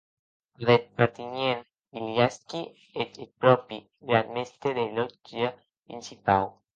Ada eth pertanhien Villarski e eth pròpi gran mèstre de lòtja principau.